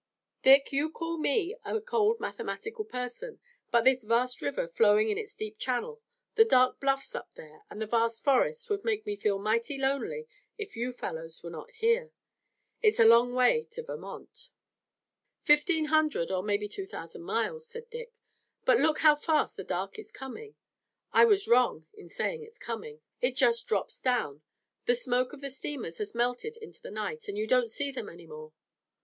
Dick, you call me a cold mathematical person, but this vast river flowing in its deep channel, the dark bluffs up there, and the vast forests would make me feel mighty lonely if you fellows were not here. It's a long way to Vermont." "Fifteen hundred or maybe two thousand miles," said Dick, "but look how fast the dark is coming. I was wrong in saying it's coming. It just drops down. The smoke of the steamers has melted into the night, and you don't see them any more.